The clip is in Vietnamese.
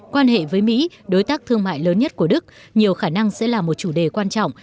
quan hệ với mỹ đối tác thương mại lớn nhất của đức nhiều khả năng sẽ là một chủ đề quan trọng